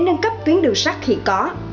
nâng cấp tuyến đường sắt hiện có